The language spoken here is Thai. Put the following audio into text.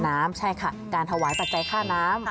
ใช่ค่ะการถวายปัจจัยค่าน้ำ